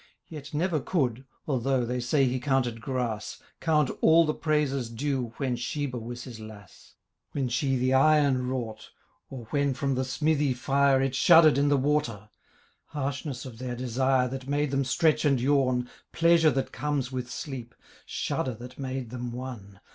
Yet never could, although They say he counted grass, Count all the praises due When Sheba was his lass, When she the iron wrought, or When from the smithy fire It shuddered in the water: Harshness of their desire That made them stretch and yawn, Pleasure that comes with sleep, Shudder that made them one.